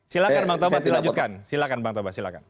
silahkan bang toba silahkan silahkan bang toba silahkan